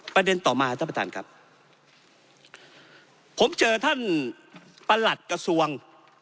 ประเด็นต่อมาท่านประธานครับผมเจอท่านประหลัดกระทรวง